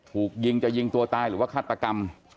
ถูกยิงจะยิงตัวตายหรือว่าฆาตกรรม